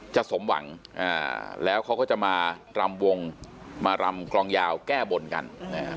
สมหวังแล้วเขาก็จะมารำวงมารำกลองยาวแก้บนกันนะฮะ